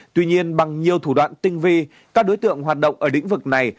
tuy nhiên bằng nhiều thủ đoạn tinh vi các đối tượng hoạt động ở lĩnh vực này